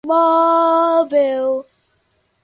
móvel